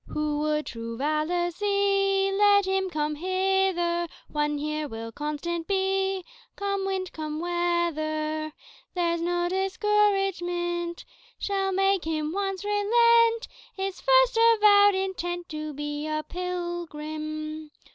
"Who would true valor see, Let him come hither; One here will constant be, Come wind, come weather; There's no discouragement Shall make him once relent His first avowed intent To be a pilgrim.